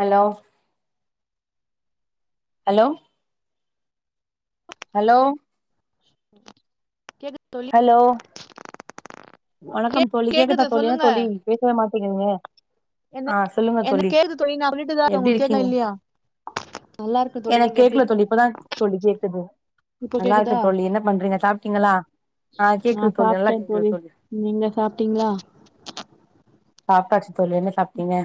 Hello hello hello [inaudible] hello கே வணக்கம் தோழி கேக்குதா கேக்குது தோழி ஏன் சொல்லுங்க தோழி பேசவே மாட்டேங்கிறிங்க என்ன ஆ சொல்லுங்க என்ன தோழி கேக்குது நான் சொல்லிட்டுதான் இருக்கேன் எப்படி உங்களுக்கு கேக்குதா இருக்கீங்க இல்லையா நல்லா இருக்கேன் தோழி எனக்கு நீங்க எப்படி கேக்குல தோழி இருக்கீங்க இப்பதான் தோழி கேக்குது இப்போ நல்லா இருக்கு கேக்குதா தோழி என்ன பண்றீங்க சாப்பிட்டீங்களா ஆ கேக்குது தோழி நல்லா கேக்குது தோழி சாப்ட்டீங்களா சாப்ட்டாச்சு தோழி என்ன சாப்ட்டிங்க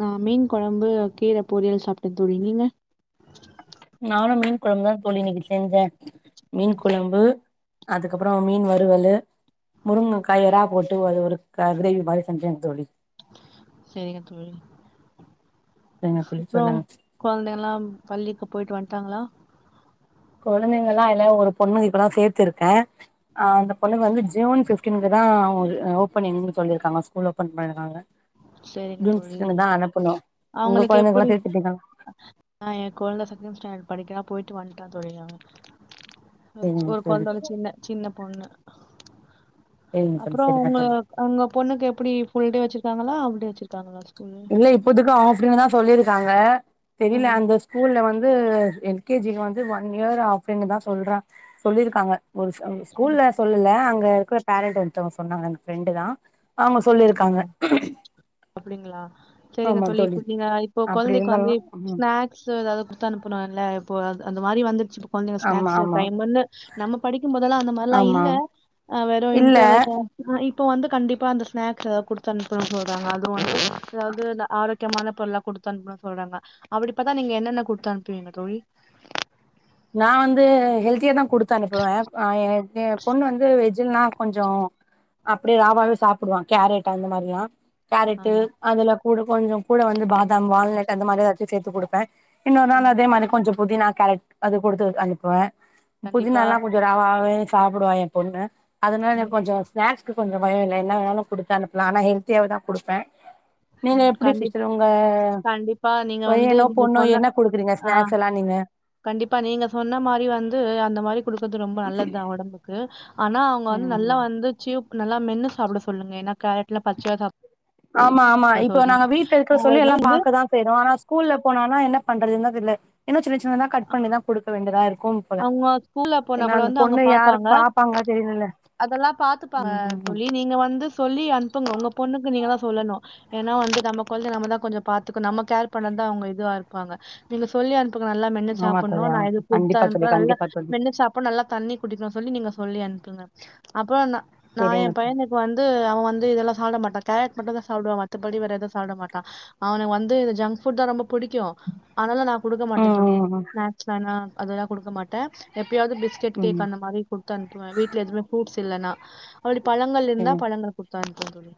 நான் மீன் குழம்பு கீரை பொரியல் சாப்டன் தோழி நீங்க நானும் மீன் குழம்பு தான் தோழி இன்னைக்கு செஞ்சேன் மீன் ம் குழம்பு அதுக்கப்புறம் மீன் வ வறுவழு முருங்க காய் இறா போட்டு அது ஒரு கிரேவி மாரி செஞ்சங்க தோழி சரிங்க தோழி சரிங்க தோழி அப்புறம் சொல்லுங்க குழந்தைங்கல்லாம் பள்ளிக்கு போயிட்டு வந்ட்டாங்களா குழந்தேங்கல்லா அய்ல ஒரு பொண்ணு இப்பதா சேத்துருக்க. ஆ ம் அந்த பொண்ணுக்கு வந்து ஜு ஜுன் ஃபிஃப்ட் டீன்குதா ஒ ஓபன்னிங் சொல்லிர்க்காங்க. School open பண்ணிர்க்காங்க. சேரிங்க தோழி. உங்க அவங்களுக்கு கொழந்தைங்கல்லா எப்டி சேத்துட்டீங்களா ஆ என் குழந்த செகண்ட் ஸ்டாண்டர்ட் படிக்கிறா. போய்ட்டு வன்ட்டா தோழி அவ ஒரு சேரிங்க ஒரு தோழி கொழந்த சின்ன சின்ன பொண்ணு. சேரிங்க தோழி அப்புறோ சேரிங்க உங்கள தோழி உங்க பொண்ணுக்கு எப்டி ஃபுல்டே வச்சிருக்காங்களா? ஆ டே வெச்சிருக்காங்க ச் இல்ல இப்போதுக்கு ஆஃப்டேனுதா சொல்லீருக்காங்க. தெரில ம் அந்த ஸ்கூல்ல வந் து எல்கேஜிகு வந்து ஒன் இயர் ஆஃப்டேனுதா சொல்ற சொல்லீர்க்காங்க. ஒரு ஸ் ஸ்கூல்ல சொல்லல அங் ங்கா இருக்குற பேரண்ட் ஒருத்தங்க சொன்னாங்க ஃப்ரெண்டுதா ஆமா சொல்லீருக்காங்க. அப்டிங்களா அப்டிங்களா சேரிங்க தோழி. இப்ப நீங்க இப்போ அப்டி கொழ்ந்தைக்கு இருந்தாலு வந்து ம் ஸ்நாக்ஸு ஏதாது குடுத்தனுப்பனுல்ல இப்பொ அத் அந்த மாரி வந்துச்சு கொஞ்சொ ஆமா ஸ்நாக்ஸ்ஸு ஒரு ஆமா டைமுன்னு நம்ம படிக்கும் போதெல்லா அந்த மாரெல்லா ஆமா இல்ல அ வெறு இல்ல இன்டர்வல் போவொ ஆயி இப்போ வந்து கண்டிப்பா அந்தச் ஸ்நாக்ஸ் எதாது குடுத்தனுப்புனு சொல்றாங்க அது ஒன்னு அதாவ்து அந்த ஆரக் முக்கியமான பொருல்லா குடுத்து அனுப்பனு சொல்றாங்க. அப்டி பாத்தா நீங்க என்னென்ன குடுத்து அனுப்புவீங்க தோழி நா வந்து ஹெல்த்தியாதா குடுத்து அனுப்புவ அஹ் ஏ ஏ பொண்ணு வந்து வெஜ்ஜுல்லா கொஞ்சோ அப்டியே ராவாவே சாப்பிடுவா. கேரட் அந்த மாரிலா ஆ கேரட்டு அதுல கூட கொஞ்சோ கூட வந்து பாதாம், வால்நட்டு அந்த மாரி எதாச்சு சேத்து குடுப்பே இன்னோர்நாள் ம் அதேமாரி கொஞ்சோ புதினா கேரட் அது கொடுத்து அனுப்புவ. கண்டிப்பா புதினால்லா கொஞ்சொ ராவாவே சாப்டுவா ஏ பொண்ணு அதனால எனக் கொஞ்சோ ஸ்னாக்ஸ் கொஞ்சொ பயொ இல்ல என்ன வேணாலு கொடுத்து அனுப்புலா ஆனா ஹெல்த்தியா தா கொடுப்பே நீங்க ம் எப்படி கண்டிப்பா சிஸ்டர் உங்க கண்டிப்பா. நீங்க வந்து பையனோ நீங்க பொண்ணோ சொன்ன என்ன குடுக்குறீங்க ஆ ஸ்நாக்ஸ் எல்லா நீங்க கண்டிப்பா நீங்க சொன்ன மாரி வந்து அந்த மாரி கொடுக்கது ரொம்ப நல்லது தா ஒடம்புக்கு ஆனா அவங்க வந்து ம் நல்லா வந்து சுயு நல்லா மென்னு சாப்பிட சொல்லுங்க ஏன்ன கேரட்லா பச்சையா சாப் ஆமா ஆமா இப்போ நாங்க வீட்ல இருக்குற சொல்லி எல்லா வந்து பாக்கதா செய்றோ ஆனா ஸ்கூல்ல போனானா என்ன பண்றது தா தெரில என்னாச்சு [unintelligible] நா தா கட் பண்ணி தா குடுப் வேண்டதா இருக் அவங்க ஸ்கூல்ல போனா கூட வந்து அவங்க யாரு பாப்பாங்க தெரிலல்ல அதெல்லா பாத்துப்பாங்க ம் ம் ம் தோழி நீங்க வந்து சொல்லி அனுப்புங்க உங்க பொண்ணுக்கு நீங்க தாச் சொல்லணு ஏன்னா வந்து நம்ம கொழந்தைய நம்ம தா கொஞ்சொ பாத்துக்க நம்ம கேர் பண்ணாதா அவங்க இதுவா இருப்பாங்க நீங்க சொல்லி அனுப் புங்க நல்லா மென்னு ஆமா சாப்பிட்ணு தோழி நா ஆமா எது தோழி குட் கண்டிப்பா தோழி நல்லா கண்டிப்பா தோழி மென்னுசாப்பிடுனு நல்லா தண்ணி குடிக்கணு சொல்லி நீங்க சொல்லி அனுப்புங்க அப்புறோ நா எ செரிங்க தோழி பையனுக்கு வந்து அவ வந்து இதெல்லா சாடப்பிடமாட்ட கேரட் மட்டு தா சாப்பிடுவா மத்தபடி வேர எதுவு சாப்பிட மாட்டா அவனுக்கு வந்து இந்த ஜங்க் ஃபுட் தா ரொம்ப பிடிக்கு பிடிக்கு அதனால நா குடுக்க மாட்டே ம் தோழி ம் ம் ஸ்நாக்ஸ்னா அதெல்லா குடுக்க மாட்டே எப்ப எப்பயாவது பிஸ்கட் கேக் ம் அந்த மாரிகொடுத்து அனுப்புவே வீட்ல எதுவுமே புரூஸ் இல்ன்னா [unintelligible] பழங்கள் செரிங்க இருந்தா பழங்கள் கொடுத்த அனுப்புவேன்தோழி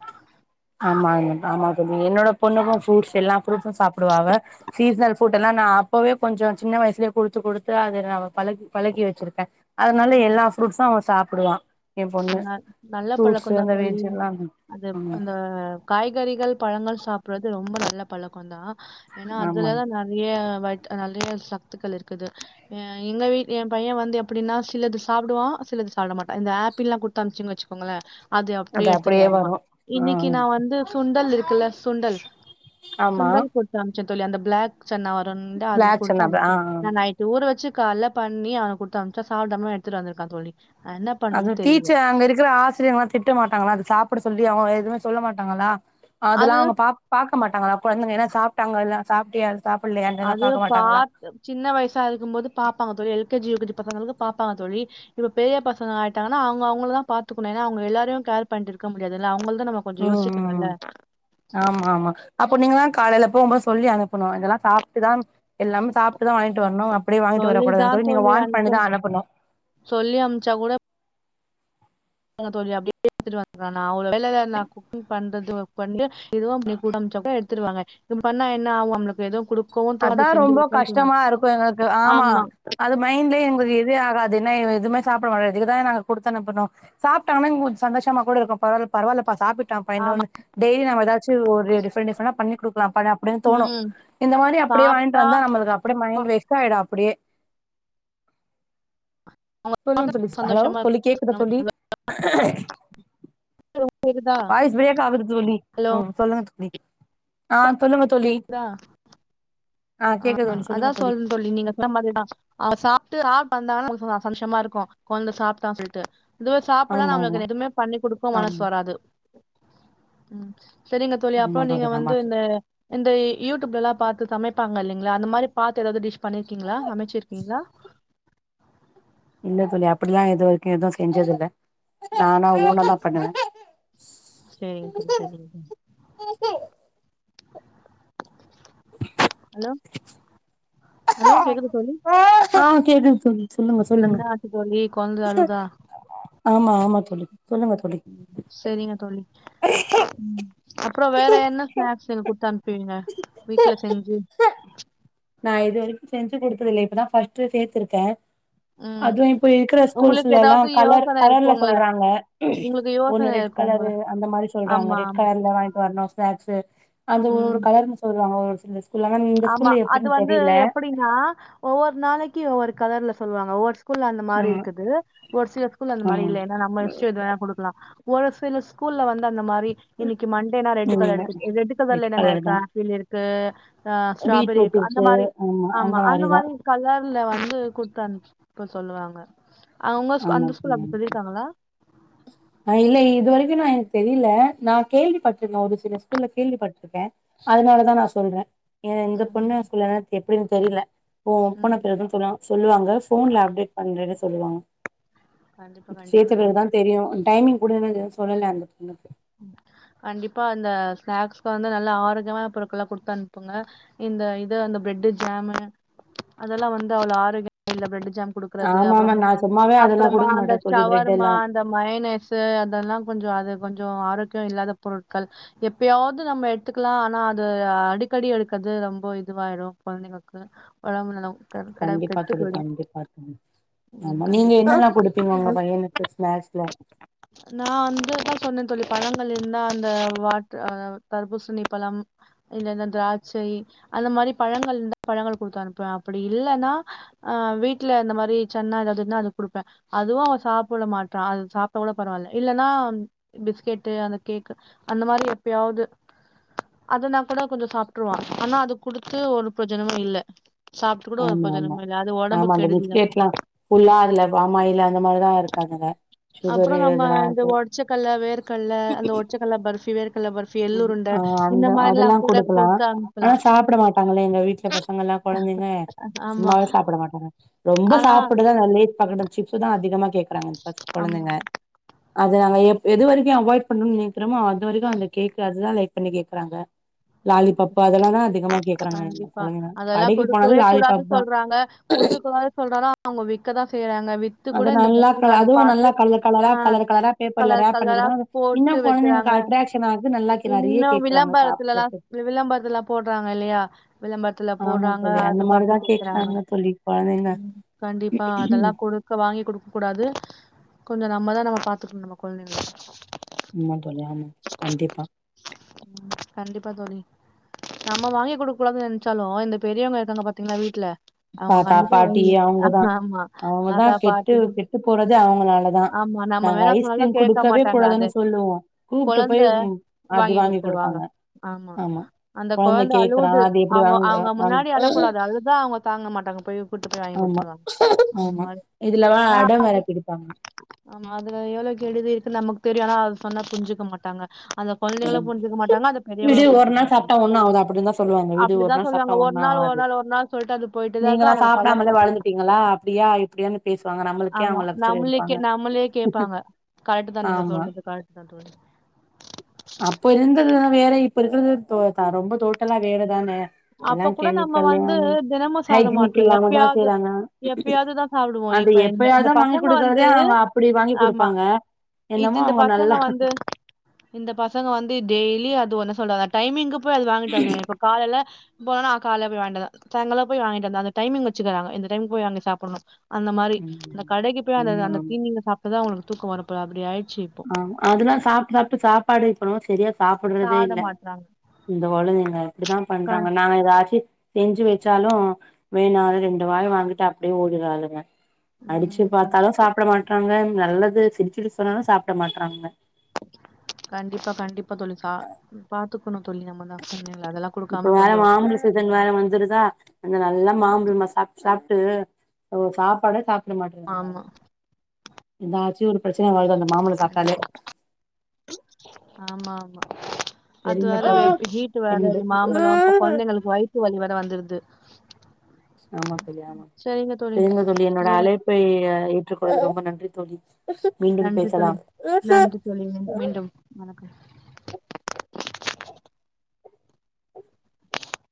ல்ல என்னோட பொண்ணுக்கும் ஃரூட்ஸ் எல்லாம் ரூட்ம் சாப்பிடுவா சீசனல் ஃரூட் எல்லாம் நா அப்பவே கொஞ்ச சின்ன வயசுலயே கொத்து கொடுத்து அது ந பழகி பழகி வச்சிருக்கன் அதனால எல்லா ஃப்ரூட்ஸும் அவ சாப்ப புடுவா எ பொன்னு நல் நல்ல பழக்கதா தோழி அது ம் அந்த காய்கறிகள் பழங்கள் சாப்ப அப்புறது ரொம்ப நல்ல பழக்கம் தா ஏன்னா ஆமா அதுலதா நெறைய பட் நெறைய சத்துக்கள் இருக்குது எங்க வீ எ பைய வந்து எப்படின்னா சிலது சாப்பிடுவா சிலது சாப்பிட மாட்டா இந்த ஆப் ஆப்பிள்ளா குடுத்து அனுப்சேனு வச்சுக்கோங்களே அது அப்படியே எடுத்துட்டு அப்டியே வருவா வரு ஆ இன்னைக்கு நா வந்து சுண்டல் இருக் துல சுண்டல் ஆமா சுண்டல் கொடுத்து அனு அனுப்ச்சந் தோளி அந்த பிளாக் சென்னா வருன்டு அது பிளாக் கொடுத்து சன்னா ஆ அனுப்பிச ஆ நா நைட்டு ஊர வச்சு கால்ல பண்ணி அவன கொடுத்த அனுச்சா சாப்பிடாம எடுத்துட்டு வந்திருக்கா தோழி என்ன அது பண்றது தெரியல. டீச்சர் அங்க இருக்கிற ஆசிரியர்ங்கலா திட்ட மாட்டாங்களா அத சாப்பிட சொல்லி அவ எதுவுமே சொல்ல மாட்டாங்களா அதெல்லா அது அவங்க பா பாக்க மாட்டாங்களா கொழந்தங்க என்ன டாங்க எல்லா சாப்பிட்டு அதெல்லா பாத் சின்ன வயசா இருக்கும்போது பாப்பாங்க தோழி L K G U K G பசங்களுக்கு பாப்பாங்க தோழி இப் பெரிய பசங்களா ஆயிட்டாங்கனா அவங்க அவங்களதா பாத்துகனு ஏனா ஆனா அவங்க எல்லாரையு கேர் பண்ணிட்டு இருக்கா முடியாதுல்லா [unintelligible] நம்ம ம் கொஞ்சம் யோசிக்கணுல்ல இப்ப நீங்க தான் காலையில போ ரொம்ப சொல்லி அனுப்பணும் இதெல்லாம் சாப்பிட்டுதா எல்லாமே சாப்பிட்டுதா வாங்கிட்டு வரணும் அப்படியே வாங்கிட்டு வரக்கூடாதுன்னு தான் சொல்லி நீங்க தோழி வன் பண்ணிதா அனுப்பணும். அனுப்பணு சொல்லி ழி அப்படியே எடுத்துட்டு வந்துக்கா அவள வேலை நான் குக்கிங் பண்றது ஒர்க பண்ணி இதுவும் கூடச்ச எடுத்துடுவாங்க இ பண்ணா என்ன அவளுக எவும்டு அதான் ரொம்ப கஷ்டமா இருக்கு எங்களுக்கு ஆமா அது மைண்ட்லய எங்களுக் ஆகாதுது ஆனா எதுவுமே சாப்பிடமாட்டா இதுக்குதாங்க கொடு அனுமப்பனு சாப்புட்டா பரவால்ல கொஞ்ச சந்தோஷமா கூட பரவல்லா சாப்பிட்டு நா ஆமா பதினெட்டு டெய்லி நம்ம ஏதாச்சு டிஃபரண்ட் டிஃபரண்டா பண்ணி கொடு க் அப்படின்னு தோணும் ம் இந்த மாதிரி அப்படியே வாயின்டு சாப்ட்டா வந்தா நம்மளுக்கு அப்படிய மைண்ட் வெக் ஆகிட அப்பாடியே அவங்க சொல்லு சொல்லி ஹலோ சந்தோஷமா சொல்லி கேக்குத இருப்பாங்க சொல்லி உங்களுக்கு கேக்குதா வாய்ஸ் பிரேக் ஆகுது தோழி ஹலோ ஹம் சொல்லுங்க தோலழி ஆஹசொல்லுங்க தொல்லி ஆஹ அதான் சொல்லுன்னு சொல்லி நீங்க சொ மாதிரிதா ஆ சா ஆ வந்தாலு சந்தோஷமா இருக்கும் குழந்த சாப்பிட்டான்னு சொல்லிட்டு இதுவே சாப்பிடலாம் ஆமா ஆமா நம்மளுக்கு எதுவுமே பண்ணி கொடுக்கும் மனசு ஆமா வராது உம் சரிங்க தோழி ஆமா அப்புறம் நீங்க வந்து ஆமா இந்த தோழி இந்த யூடியூப்ல எல்லாபார்த்து சமை இல்லலைா அந்த மாதிரி பாத்து ஏதாவது டிஷ் பண்ணிருக்கீங்களா அமைச்சிருக்கீங்களா இல்ல தோழி அப்டில்லா எது வரைக்கு எதுவும் செஞ்சது இல்ல உம் சரிங் [unintelligible] ஹலோ ஹலோ கேக்குது தோழி ஆஹ் கேகுது சொல்லுங்க சொல்லுங்க என்ன ஆச்சு தோழி கொழந்த அழுதா ஆமா ஆமா சொ [unintelligible] சரிங்க தோழி உம் அப்புற வேற என்ன ஸ்நாக்ஸு குடுத்து அனுப்பிவீங்க வீட்ல செஞ்சு நா இது வரைக்கு செஞ்சு குடுத்ததில்ல இப்பதா ஃர்ஸ்ட் சேர்த்திருக்கே ம் அதுவு இப்ப இருக்கிற உங்களுக்கு ஸ்கூல்ஸ்லல்லா ஏதாவது கலர் யோசன கலர்ல இருக்குங்கள சொல்றாங்க உங்களுக்கு யோசன ஒண்ணு ரெட் இருக்குங்கள கலரு அந்த மாரி சொல்றாங்க ஆமா ரெட் ஆமா கலர்ல வாங்கிட்டு வரணு ஸ்நாக்ஸு அந்த ஒரு ஒரு ம் கலர்ன்னு சொல்றாங்க ஒரு [unintelligible] [unintelligible] இந்த ஸ்கூல்ல எப்டி து எப்டின்னா ஒவ்வொரு நாளைக்கு ஒவ்வொரு கலர் சொல் வாங்க ஓஸ் ஸ்கூல் அந்தமாரி ஆமா இருக்குது ஒரு சில ஸ்கூல் அந்த மாரி ஆமா இல்ல ஏன்னா நம்ம இஷ்ட எது வேணா குடுக்லா ஒரு சில ஸ்கூல்ல வந்து அந்த மாரி ரி இன்னிக்கி மண்டேனா ரெட் கலர் உண்ம ரெட் கலர்ல என்னன்ன கலர் தா இருக்கு ஆப்பிள் இருக்கு ஆ ஸ்ட்ராபெரி பீட்ரூட் இருக் அந்த இருக்கு மாரி ஆமா அந்த மாரிதா மாரி கலர்ல வந்து குடுத்து அனுப் ப்ப சொல்லுவாங்க அவங்க ஆமா அந்த ஸ்கூல அப்டி சொல்லியிருக்காங்ளா ஆ இல்ல இது வரைக்கு நான் எனக்கு தெரில நா கேள்விப்பட்ருக்க ஒரு சில ஸ்கூல்ல கேள்விப்பட்ருக்கே அதனாலதா நா சொல்ற ஏ இந்த பொண்ணு ம். சொல்லல எப்டின்னு தெரில ஒ உபொண்ணு ம். பிறகுன்னு சொல்லுவாங்க போன்ல அப்டேட் பண்ற சொல்லுவாங்க கண்டிப்பா, கண்டிப்பா சேத்த பிறகு தோழி. தா தெரியு டைமிங்கூட இன்னு எது சொல்லல அந்த பொண்ணுக்கு கண்டிப்பா அந்த ஸ்நாக்ஸ்கு வந்து நல்லா ஆரோக்கியமா பொருட்கல்லா குடுத்து அனுப்புங்க இந்த இது அந்த பிரெட்டு ஜாமு அதெல்லா வந்து அவ்ளோ ஆரோக்கியமா இந்த பிரெட் பிரட் ஜாம் குடுக்றது ஆமா ஆமா அப்புரோ நா சும்மாவே அதெல்லா அப்புறமா குடுக்க அந்த மாட்டே தோழி பிரெட் சவர்மா எல்லா அந்த மைனஸு அதெல்லா கொஞ்சோ அது கொஞ்சோ ஆரோக்கிய இல்லாத பொருட்கள் எப்யாவது நம்ம எடுத்துக்கலா ஆனா அது அடிக்கடி எடுக்றது ரொம்ப இதுவாயிடு குழந்தைங்களுக்கு உடம்பு ல கண்டிப்பா தோழி கண்டிப்பா ம் ஆமா நீங்க கண்டிப்பா என்னன்னா குடுப்பீங்க உங்க பையனுக்கு ஸ்நாக்ஸ்ல நா வந்துதா [unintelligible] தோழி பழங்கள் இருந்தா அந்த வாட்டர் தர்பூசணி பழம் இல்ல இந்த திராட்சை அந்த மாரி பழங்கள் இருந்தா பழங்கள் குடுத்து அனுப்புவ அப்டி இல்லன்னா ஆ வீட்ல இந்த மாரி சென்னா ஏதாது இருந்தா அது குடுப்ப அதுவு அவன் சாப்ட மாட்ரா அது சாப்ட்டா கூட பரவால்லை இல்லன்னா பிஸ்கெட்டு் அந்த கேக் அந்த மாரி எப்பயாவுது அதுனா கூட கொஞ்சோ சாப்ட்டுருவா ஆனா அது குடுத்து ஒரு பிரஜோனமு இல்ல சாப்ட்டு கூட ஒரு ஆமா ஆமா ப்ரோஜனமு இல்ல அது ஆமா ஒடம்புக்கு அந்த கெடுதிதா பிஸ்கெட்ல்லா புல்லா அதுல பாமாயிலு அந்த மாரிதா இருக்காதுங்க சுகரு இதல்லா இருக்கு கல்ல அந்த ஓட்சக்கல்ல பர்பி ஆ அந்த அதெல்லாம் கூட கொடுக்கலாம் குடுத்து ஆனா அனுப்பலாம். சாப்ட மாட்டாங்களே எங்க வீட்ல பசங்கலாம் கொலந்தைங்க ஆமா. சும்மாவே சாப்ட மாட்டாங்க ரொம்ப ஆனா சாப்படதான் நான் லேட் பகடன் சிப்ஸ் தான் அதிகமா கேக்குறாங்க பா ஆமா. கொலந்தைங்க அது அங்க எப் எது வரைக்கும் அவாய்ட் பண்ணும்னு நெக்கிறோமோ அது வரைக்கும் அந்த கேக்காதுதான் லைக் பண்ணி கேக்குறாங்க ம். லாலிபப்பு அதுல்லா தான் அதிகம் கண்டிப்பா அதெல்லாம் கொடுக்கவே கூடாதுனு லாலிபாப் தா சொல்றாங்க குடுக்க கூடாது சொல்றாலும் அவங்க விக்கதான் செய்றாங்க வித்து அது கூட இந்த நல்லா க பசங்க அத அதுவும் நல்லா பாத்து கலர் கலரா ஆ கலர் கலரா பேப்பர்ல கலர் ரேப் கலரா பண்ணிகூட அது போட்டு இன்னும் கொழந்தஙகளுக்கு வைக்கிறாங்க. அட்ராக்க்ஷன் ஆகுது நல்லாக்கிறாரு ஈ இன்னும் கேக்குறாங்க விளம்பரத்துலலாம் சாப்பறதுக் ஆ விளம்பரத்துல போட்றாங்க அது பாத்து மாரிதா கேக்கறாங்க கேக்குறாங்க தோழி கொழந்தைங்க ம் கண்டிப்பா ம் அதெல்லாம் கொடுக்க வாங்கி கொடுக்க கூடாது கொஞ்சம் நம்மதான் நம்ம பாத்துக்கணும் நம்ம கொழந்தைகள ஆமா தோழி ஆமா கண்டிப்பா கண்டிப்பா தோழி நம்ம வாங்கி குடுக்க கூடாதுனு நெனச்சாலும் இந்த பெரியவங்க இருக்காங்க பாத்தீங்களா வீட்ல அவங்க தாத்தா கண்டிப்பா பாட்டி வாங்கி அவ்ங்கதா ஆமா அவ்ங்கதா தாத்தா கெட்டு பாட்டி கெட்டு போறது அவ்ங்கனாலதா ஆமா நம்ம நாங்க வேணா சொன்னாலு ஐஸ்கிரீம் கேக்க குடுக்கவே மாட்டாங்க கூடாதுன்னு அது சொல்லுவோ கூப்ட்டு கொழந்த போய் அதி வாங்கி குடுப்பாங்க ஆமா அந்த கொழந்த கேக்குறா அழுவுது அது எப்டி அவ்ங்க வாங்க அவ்ங்க வாங் முன்னாடி அழக்கூடாது அழுத அவ்ங்க தாங் ங்க மாட்டாங்க போய் கூட்டு போய் வாங்கி ஆமா குடுத்துருவாங்க ஆமா இதுலவா ஆனா அடம் வேற அது பிடிப்பாங்க ஆமா அதுல எவ்ளோக்கி கெடுதி நமக் தெரியும் ஆனா அது சொன்னா புரிஞ்சுக்க மாட்டாங்க அந்த கொழந்தைகளு ஆமா புரிஞ்சுக்க மாட்டாங்க அந்த பெரியவங்களும் புரிஞ்சுக்க மாட்டாங்க அவ்ங்க அப்டிதா சொல்லுவாங்க விடு ஒரு அப்டிதா நாள் சாப்ட்டா சொல்லுவாங்க ஒரு ஒண்ணும் நாள் ஒரு ஆவாது நாள் ஒரு நாள் சொல்ட்டு அது போயிட்டுதா இருக்கு நீங்கலாம் அவங்களுக்கு பழக்கோ சாப்படாமலே வளந்துட்டீங்களா அப்டியா இப்டியான்னு பேசுவாங்க நம்மளுக்கே ஆமா அவ்ங்க லக்ச்சர் நம்மளுக்கே எடுப்பாங்க நம்மளே கேப்பாங்க கரெக்ட் தா நீங்க ஆமா சொல்றது கரெக்ட் தா தோழி அப்போ இருந்தது றது வேற இப்ப இருக்கிற [unintelligible] ரொம்ப டோட்டலா வேறதானே அப்ப எல்லாம் கூட நம்ம கெமிக்கல்லு வந்து தினமு சாப்ட ஹைஜினிக் மாட்டோ இல்லாமதா எப்பயாவது செய்றாங்க எப்பயாவது தா சாப்டுவோ அது இப்ப இந்த இந்த எப்பயாவதா வாங்கி பசங்க வந்து குடுக்குறதே அவ்ங்க அப்டி வாங்கி ஆமா குடுப்பாங்க இது என்னமோ இந்த அவ்ங்க பசங்க நல்லா வந்து இந்த பசங்க வந்து டெய்லி அது ஒன்ன சொல்லறாங்க டைமிங்கு போய் அது வாங்கிட்டு வந்துனு இப்ப காலைல போனா காலே போய் வாங்கிட்டதா சாங்கல போய் வாங்கிட்டு வந்தா அந்த டைமிங் வச்சுக்கிறாங்க இந்த டைம் போய் வாங்கி சாப்புணும் அந்த மாரி அந்த ம் கடைக்கு போய் அந்த அந்த ஆமா அந்த ஆமா தீனீங்க சாப்டுதா அவ்ங்களு தூக்கம் வரும் இப்ப அப்டி ஆய் ஆஹ் அதுலா சாப்ட்டு சாப்ட்டு சாப் பாடு இப்பல்லா செரியா சாப்டுறதே சாப்ட இல்ல மாட்றாங்க இந்த கொழந்தைக இப்டித்தான் க பண்றாங்க நாங்க ஏதாச்சு செஞ்சு வச்சாலு வேணு அது ரெண்டு வாய வாங்கிட்டு அப்டியே ஓடுறளுங்க அடிச்சு ம் க பாத்தாலும் சாப்ட மாட்றாங்க நல்லது து சிரிச்சுட்டு சொன்னாலு சாப் புட மாட்றாங்க கண்டிப்பா கண்டிப்பா தோழி சா [inaudible] துக்குணு தோழி நம்ம தா கொழந்தைய இப்ப வேற மாம்பழ சீசன் வேற வந்துருதா அந்த நல்லா மாம்பழமா சாப் சாப் டு ஓ சாப்படே சாப் ஆமா எதாச்சும் ஒரு ப்ரச்சின வருதா [unintelligible] கண்டிப்பா ஆமாம் மா அது செரிங்க வேற வே தோழி ஹீட்டு வேற என்து மாம்பழம் இப்ப கொழந்தைகளுக்கு வயித்து வலி வேற வந்துருது ஆமா தோழி ஆமா சேரிங்க தோழி என்னோட வேற அழைப்பை அ ஏ ற்றுக்கொள்ள ரொம்ப நன்றி தோழி மீண்டும் நன்றி பேசலாம் தோழி நன்றி தோழி மீண்டும் வணக்கம்